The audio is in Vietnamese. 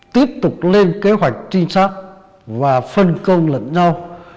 tiếp tục lên kế hoạch trinh sát và phân công lẫn nhau